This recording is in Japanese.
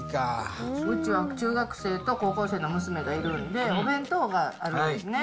うちは中学生と高校生の娘がいるんで、お弁当があるんですね。